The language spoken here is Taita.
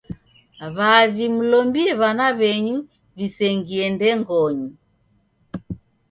W'avi mlombie w'ana w'enyu w'isengie ndengonyi.